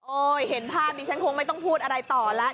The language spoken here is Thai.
เห็นภาพนี้ฉันคงไม่ต้องพูดอะไรต่อแล้ว